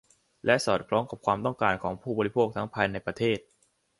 และสอดคล้องกับความต้องการของผู้บริโภคทั้งภายในประเทศ